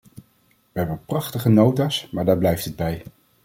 We hebben prachtige nota's, maar daar blijft het bij.